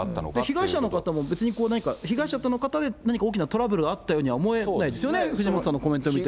被害者の方も、別に何か、被害者の方とトラブルがあったようには思えないですよね、藤本さんのコメントを見ても。